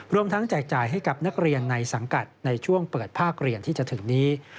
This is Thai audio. รวมทั้งแจกจ่ายให้กับนักเรียนในสังกัดในช่วงเปิดภาคเรียนที่จะถึงนี้